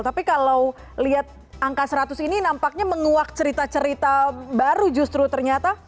tapi kalau lihat angka seratus ini nampaknya menguak cerita cerita baru justru ternyata